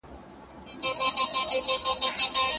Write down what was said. که میلمانه راسي، موږ به د اوږده اتڼ لپاره ډوډۍ